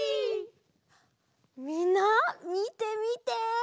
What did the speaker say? みんなみてみて！